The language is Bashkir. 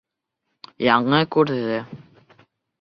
Яңы күрҙе.